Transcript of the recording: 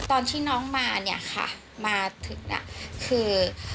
ตอนที่น้องมาค่ะมาถึงคือ